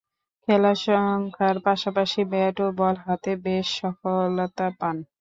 খেলার সংখ্যার পাশাপাশি ব্যাট ও বল হাতে বেশ সফলতা পান।